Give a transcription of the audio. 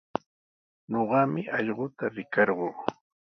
Ñuqami allquta rikarquu.